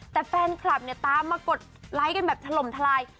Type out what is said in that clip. แต่แฟนคลับเนี่ยตามมากดไลค์กันแบบถล่มทลาย